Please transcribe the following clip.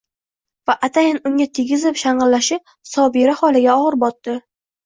va atayin unga tegizib shangillashi Sobira xolaga ogʼir botdi.